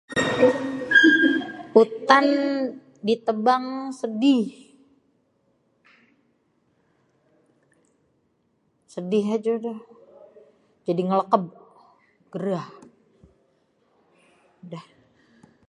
Hutan ditebang sedih, sedih aja udah, jadi nglekeb, gerahh, udah.